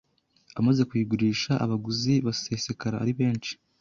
Amaze kuyigurisha, abaguzi basesekara ari benshi